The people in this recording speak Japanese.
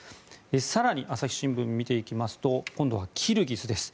更に朝日新聞を見ていきますと今度はキルギスです。